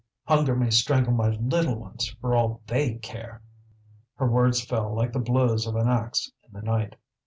Hunger may strangle my little ones for all they care!" Her words fell like the blows of an axe in the night.